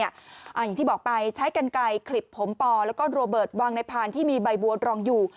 อย่างที่บอกไปใช้กันไกลคลิบผมปอแล้วก็โรเบิร์ตวางในพานที่มีใบบัวรองอยู่